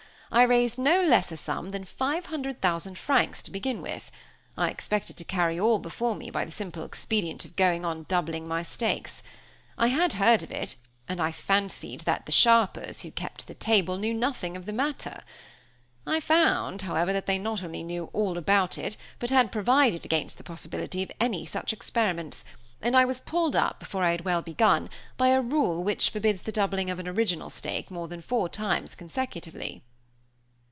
I raised no less a sum than five hundred thousand francs to begin with; I expected to carry all before me by the simple expedient of going on doubling my stakes. I had heard of it, and I fancied that the sharpers, who kept the table, knew nothing of the matter. I found, however, that they not only knew all about it, but had provided against the possibility of any such experiments; and I was pulled up before I had well begun by a rule which forbids the doubling of an original stake more than four times consecutively."